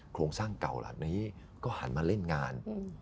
โครงสร้างเก่าเหล่านี้ก็หันมาเล่นงาน